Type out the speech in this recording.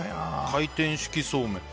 回転式そうめん。